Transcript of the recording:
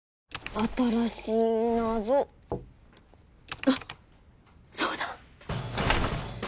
新しい謎あっそうだ！